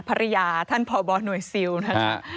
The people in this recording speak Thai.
ภรรยาท่านพบหน่วยซิลนะคะ